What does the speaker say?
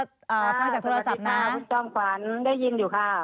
สวัสดีค่ะคุณจ้องขวัญได้ยินอยู่ค่ะ